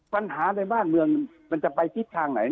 ปัญหาในบ้านเมืองมันจะไปทิศทางไหน